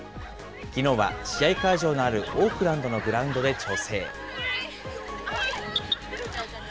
きのうは試合会場のあるオークランドのグラウンドで調整。